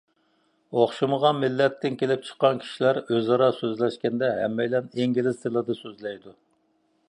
ئوخشىمىغان مىللەتتىن كېلىپ چىققان كىشىلەر ئۆزئارا سۆزلەشكەندە، ھەممەيلەن ئىنگلىز تىلىدا سۆزلەيدۇ.